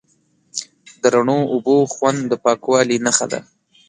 د رڼو اوبو خوند د پاکوالي نښه ده.